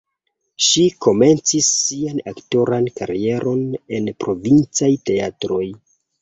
Ŝi komencis sian aktoran karieron en provincaj teatroj.